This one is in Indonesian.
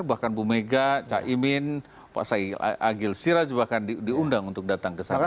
bahkan bu mega caimin pak agil siraj bahkan diundang untuk datang ke sana